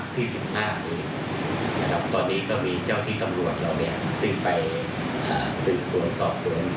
ตอนนี้ก็มีเจ้าที่ตำรวจเราซึ่งไปสื่อส่วนสอบส่วน